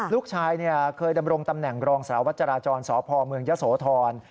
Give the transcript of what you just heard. ลูกชายเคยดำรงตำแหน่งรองสาวจราจรสพเมืองยะโสธร